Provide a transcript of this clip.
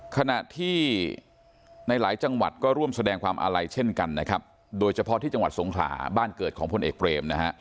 ขณะที่ในหลายจังหวัดก็ร่วมแสดงความอาลัยเช่นกันนะครับโดยเฉพาะที่จังหวัดสงขลาบ้านเกิดของพลเอกเบรมนะฮะ